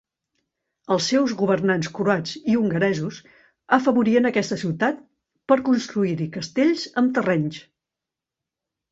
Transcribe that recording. Els seus governants croats i hongaresos afavoriren aquesta ciutat per construir-hi castells amb terrenys.